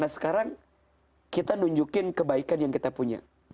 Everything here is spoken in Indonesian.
nah sekarang kita nunjukin kebaikan yang kita punya